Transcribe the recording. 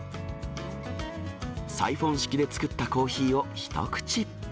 サイフォン式で作ったコーヒーを一口。